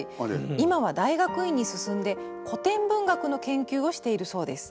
今は大学院に進んで古典文学の研究をしているそうです。